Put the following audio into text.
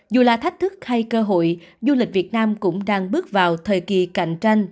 dù là thách thức hay cơ hội du lịch việt nam cũng đang bước vào thời kỳ cạnh tranh